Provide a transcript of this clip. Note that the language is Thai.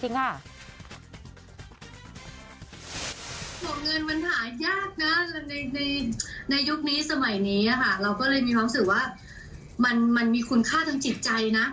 เงินมันหายากนะในยุคนี้สมัยนี้เราก็เลยมีความรู้สึกว่ามันมีคุณค่าทางจิตใจนะ